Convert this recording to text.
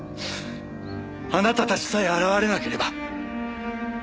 あなたたちさえ現れなければ。